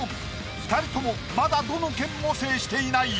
２人ともまだどの県も制していない。